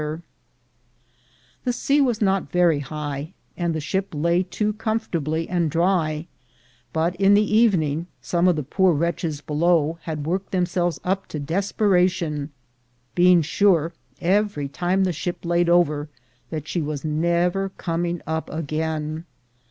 ON TO CALIFORNIA 1J> The sea was not very high, and the ship lay to comfortably and dry; but, in the evening, some of the poor wretches below had worked themselves up to desperation, being sure, every time the ship laid over, that she was never coming up again.